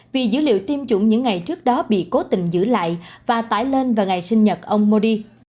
vì dữ liệu tiêm chủng những ngày trước đó bị cố tình giữ lại và tải lên vào ngày sinh nhật ông modi